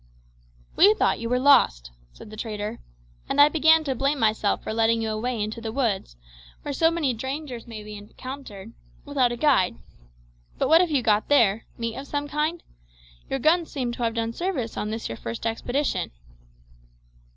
"We thought you were lost," said the trader, "and I began to blame myself for letting you away into the woods, where so many dangers may be encountered, without a guide. But what have you got there? meat of some kind? Your guns seem to have done service on this your first expedition."